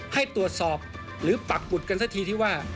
ให้ตรวจสอบหรือปักบุตรกันสักทีที่ว่า